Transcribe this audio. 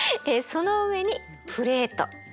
その上にプレート。